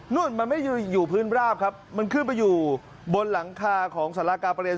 มันไม่ได้อยู่พื้นราบครับมันขึ้นไปอยู่บนหลังคาของสารกาประเรียน